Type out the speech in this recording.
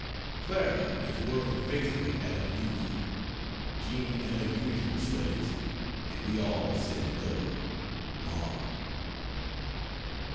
Clara is working faithfully at her music, Jean at her usual studies, and we all send love. MARK.